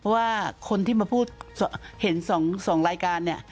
ว่าคนที่มาพูดเห็น๒รายการเนี่ย